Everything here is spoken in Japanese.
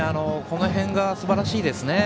この辺がすばらしいですね。